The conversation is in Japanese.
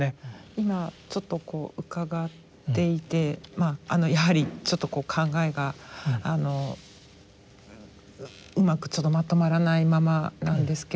今ちょっとこう伺っていてやはりちょっとこう考えがうまくちょっとまとまらないままなんですけれども。